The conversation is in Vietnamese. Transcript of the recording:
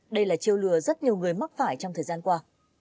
đây là chiêu lừa rất nhiều người mắc phải trong thời gian qua